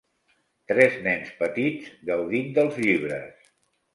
Tres nens petits gaudint dels llibres.